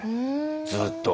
ずっと。